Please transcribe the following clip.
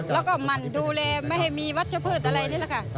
และมันดูแลไม่ให้มีวัชเฉพาะอะไรนี่แหละค่ะ